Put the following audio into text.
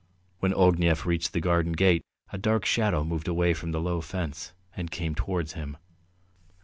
When Ognev reached the garden gate a dark shadow moved away from the low fence and came towards him.